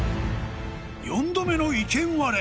４度目の意見割れ